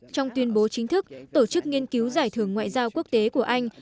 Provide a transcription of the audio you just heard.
trong tuyên bố chính thức tổ chức nghiên cứu giải thưởng ngoại giao quốc tế của anh